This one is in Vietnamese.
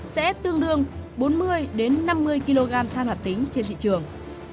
sẽ tương đương bốn mươi đến năm mươi kg than hòa tính trên thị trường